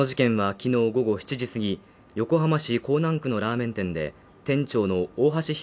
昨日午後７時過ぎ横浜市港南区のラーメン店で店長の大橋弘